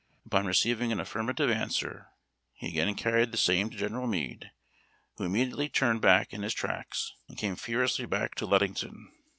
Upon receiving an affirmative answer, he again carried the same to General Meade, who immediately turned back in his tracks, and came furiously back to Ludington.